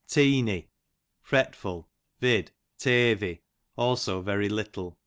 Teeny, fretful, vid. teathy ; also very little.